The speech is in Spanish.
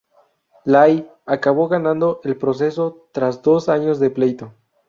Lai acabó ganando el proceso tras dos años de pleito.